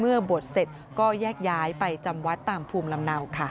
บวชเสร็จก็แยกย้ายไปจำวัดตามภูมิลำเนาค่ะ